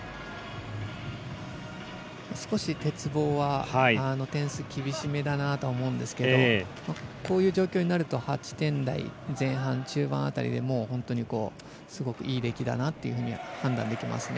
少し鉄棒は点数厳しめだなと思うんですけどこういう状況になると８点台、前半、中盤辺りでもう本当にすごくいい出来だなと判断できますね。